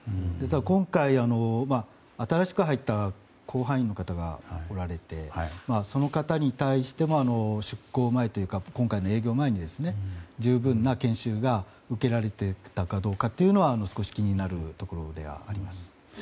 今回、新しく入った方がいられてその方に対しても出航前というか今回の営業前に十分な研修がうけられていたか少し気になるところではあります。